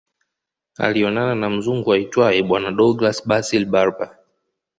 Alionana na mzungu aitwae bwana Douglas Basil Berber